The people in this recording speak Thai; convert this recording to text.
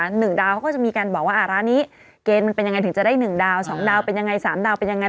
หนึ่งดาวเขาก็จะมีการบอกว่าอ่าร้านนี้เกณฑ์มันเป็นยังไงถึงจะได้หนึ่งดาวสองดาวเป็นยังไงสามดาวเป็นยังไง